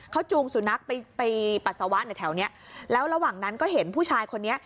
เขาจูงสุนัขไปไปปัสสาวะในแถวเนี้ยแล้วระหว่างนั้นก็เห็นผู้ชายคนนี้